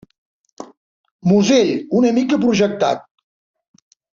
Musell una mica projectat.